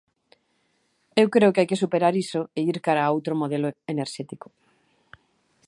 Eu creo que hai que superar iso é ir cara a outro modelo enerxético.